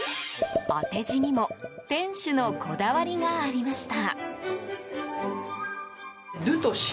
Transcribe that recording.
当て字にも店主のこだわりがありました。